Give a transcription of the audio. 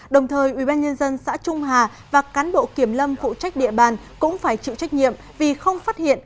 đồng thời ủy ban nhân dân xã trung hà và cán bộ kiểm lâm phụ trách địa bàn cũng phải chịu trách nhiệm vì không phát hiện